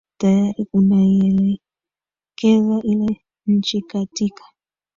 tayari kunaielekeza ile nchi katika